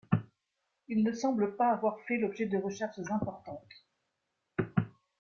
Ils ne semblent pas avoir fait l'objet de recherches importantes.